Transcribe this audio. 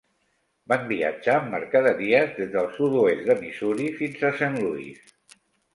Van viatjar amb mercaderies des del sud-oest de Missouri fins a Saint Louis.